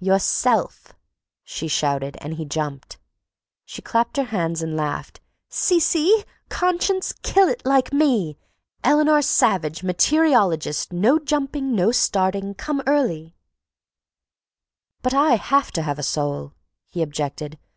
"Yourself!" she shouted, and he jumped. She clapped her hands and laughed. "See—see! Conscience—kill it like me! Eleanor Savage, materiologist—no jumping, no starting, come early—" "But I have to have a soul," he objected.